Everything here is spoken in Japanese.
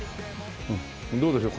どうでしょう？